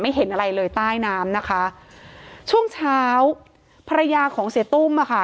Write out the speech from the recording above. เห็นอะไรเลยใต้น้ำนะคะช่วงเช้าภรรยาของเสียตุ้มอ่ะค่ะ